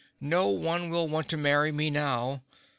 "No one will want to marry me now.